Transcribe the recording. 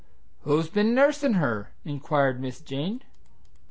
"Who's been nursing her?" inquired Miss Jane.